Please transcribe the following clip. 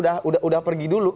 pak nyalanya udah pergi dulu